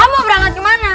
kamu berangkat ke mana